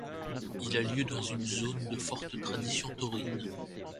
Il a lieu dans une zone de forte tradition taurine.